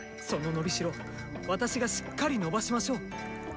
その伸びしろ私がしっかり伸ばしましょう！